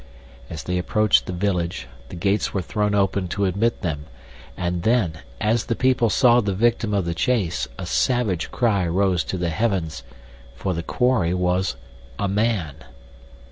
As they approached the village the gates were thrown open to admit them, and then, as the people saw the victim of the chase, a savage cry rose to the heavens, for the quarry was a man.